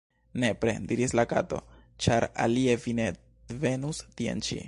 "Nepre," diris la Kato, "ĉar alie vi ne venus tien ĉi."